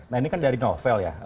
nah ini kan dari novel ya